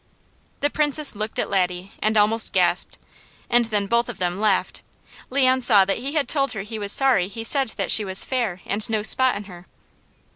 The Princess looked at Laddie and almost gasped, and then both of them laughed. Leon saw that he had told her he was sorry he said she was "fair, and no spot in her."